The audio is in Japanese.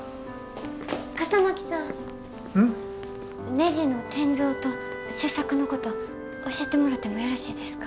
ねじの転造と切削のこと教えてもらってもよろしいですか？